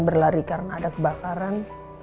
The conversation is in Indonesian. berlari karena ada kebakaran